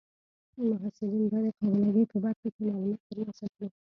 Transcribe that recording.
محصلین به د قابله ګۍ په برخه کې معلومات ترلاسه کړي.